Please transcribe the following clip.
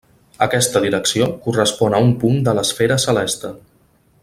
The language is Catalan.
Aquesta direcció correspon a un punt de l'esfera celeste.